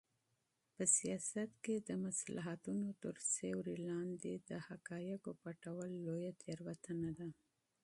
په سیاست کې د مصلحتونو تر سیوري لاندې د حقایقو پټول لویه تېروتنه ده.